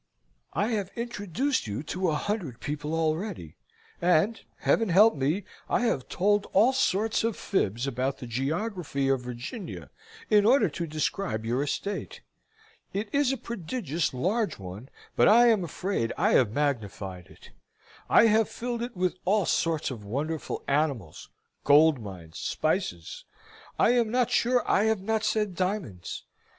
I have introduced you to a hundred people already, and, Heaven help me! have told all sorts of fibs about the geography of Virginia in order to describe your estate. It is a prodigious large one, but I am afraid I have magnified it. I have filled it with all sorts of wonderful animals, gold mines, spices; I am not sure I have not said diamonds.